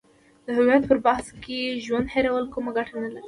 د هویت پر بحث کې ژوند هیرول کومه ګټه نه لري.